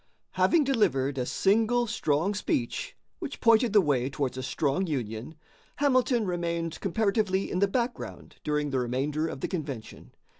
Having delivered a single strong speech, which pointed the way towards a strong union, Hamilton remained comparatively in the background during the remainder of the convention.